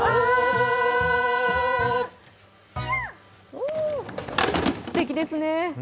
おお、すてきですね。